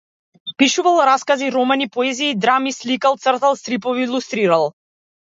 Пишувал раскази, романи, поезија и драми, сликал, цртал стрипови, илустрирал.